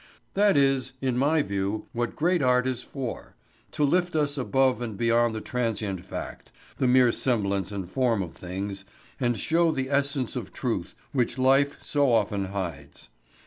That is, in my view, what great art is for to lift us above and beyond the transient fact, the mere semblance and form of things, and show the essence of truth which life so often hides.